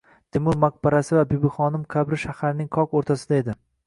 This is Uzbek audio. Temur maqbarasi va Bibixonim qabri shaharning qoq o‘rtasida edi.